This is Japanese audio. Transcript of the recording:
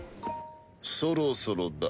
そろそろだ。